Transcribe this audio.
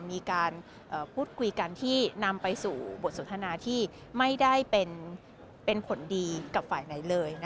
มีการพูดคุยกันที่นำไปสู่บทสนทนาที่ไม่ได้เป็นผลดีกับฝ่ายไหนเลย